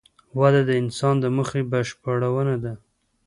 وده د انسان د موخې بشپړونه ده.